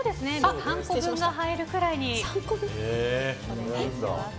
３個分が入るくらいにお願いします。